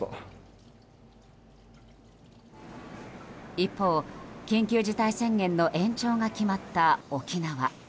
一方、緊急事態宣言の延長が決まった沖縄。